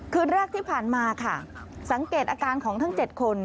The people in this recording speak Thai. คืนแรกที่ผ่านมาค่ะสังเกตอาการของทั้ง๗คน